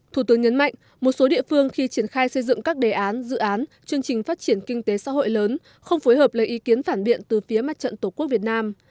thủ tướng nhấn mạnh một số địa phương khi triển khai xây dựng các đề án dự án chương trình phát triển kinh tế xã hội lớn không phối hợp lấy ý kiến phản biện từ phía mặt trận tổ quốc việt nam